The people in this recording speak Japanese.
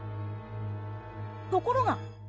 ところが。